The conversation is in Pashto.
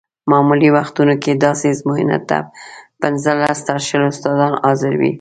معمولي وختونو کې داسې ازموینو ته پنځلس تر شلو استادان حاضر وي.